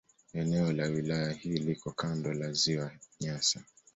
Eneo la wilaya hii liko kando la Ziwa Nyasa.